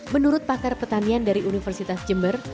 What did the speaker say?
menurut pakar pertanian dari universitas jember